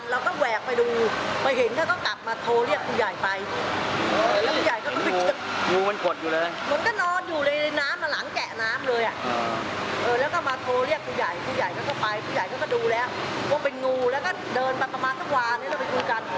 แล้วก็เดินมาประมาณสักวานที่เราไปดูกัน